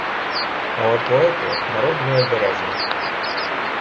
Але поети — народ необережний.